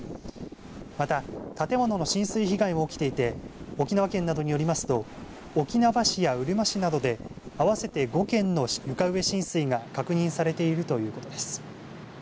また建物の浸水被害も起きていて沖縄県などによりますと沖縄市やうるま市などで合わせて５件の床上浸水が確認されているということです。